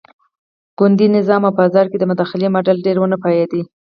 ګوندي نظام او په بازار کې د مداخلې ماډل ډېر ونه پایېد.